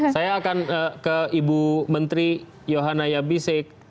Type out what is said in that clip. saya akan ke ibu menteri yohana yabisek